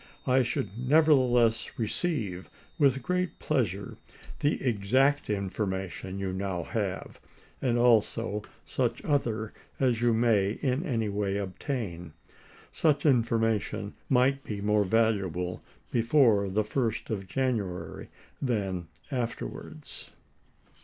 I should nevertheless receive with great pleasure the exact Lincoln information you now have, and also such other as you Dea°J?' may in any way obtain. Such information might be 1862. ms. more valuable before the 1st of January than afterwards.